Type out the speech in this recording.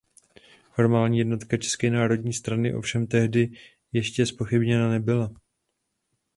Formální jednota české Národní strany ovšem tehdy ještě zpochybněna nebyla.